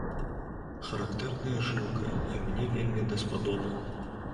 Характэрная жылка, і мне вельмі даспадобы.